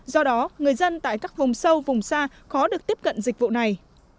do đó người dân tại các vùng sâu vùng xa khó được tiếp cận dịch vụ này